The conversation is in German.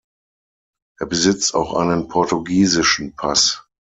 Er besitzt auch einen portugiesischen Pass.